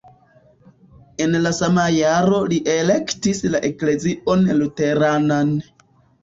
En la sama jaro li elektis la eklezion luteranan.